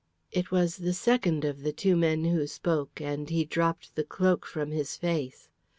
It was the second of the two men who spoke, and he dropped the cloak from his face.